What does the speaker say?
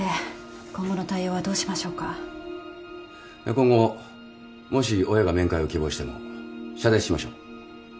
今後もし親が面会を希望しても謝絶しましょう。